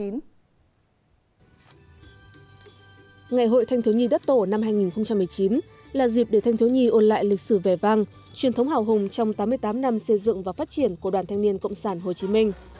ngày hội thanh thiếu nhi đất tổ năm hai nghìn một mươi chín là dịp để thanh thiếu nhi ôn lại lịch sử vẻ vang truyền thống hào hùng trong tám mươi tám năm xây dựng và phát triển của đoàn thanh niên cộng sản hồ chí minh